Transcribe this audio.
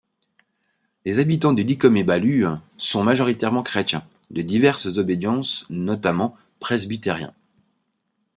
Les habitants de Dikome-Balue sont majoritairement chrétiens, de diverses obédiences, notamment presbytériens.